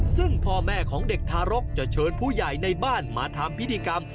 ซึ่งพ่อแม่ของเด็กทารกจะเชิญผู้ใหญ่ในบ้านมาทำพิธีกรรม